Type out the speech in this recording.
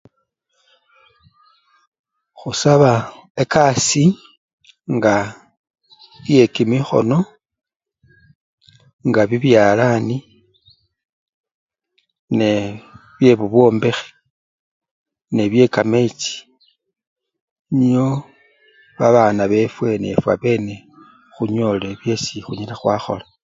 Khusaba ekasii nga iye kimikhono, nga bibyalani nee! byebubwombekhi ne byekamechi nio babana befwe ne fwabene khunyole byesi khunyala khwakhola.